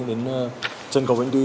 đến trên cầu vành đi